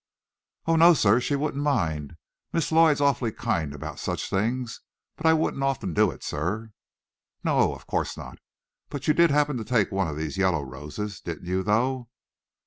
"Oh, no, sir, she wouldn't mind. Miss Lloyd's awful kind about such things. But I wouldn't often do it, sir." "No; of course not. But you did happen to take one of those yellow roses, didn't you, though?"